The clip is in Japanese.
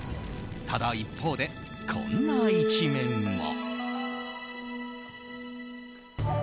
ただ一方で、こんな一面も。